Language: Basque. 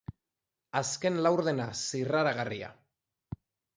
Azken laurdena, zirraragarria.